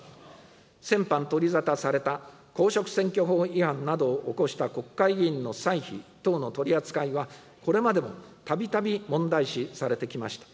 先般、取り沙汰された、公職選挙法違反などを起こした国会議員の歳費等の取り扱いは、これまでもたびたび問題視されてきました。